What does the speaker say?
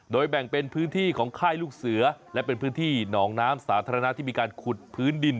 แบ่งเป็นพื้นที่ของค่ายลูกเสือและเป็นพื้นที่หนองน้ำสาธารณะที่มีการขุดพื้นดิน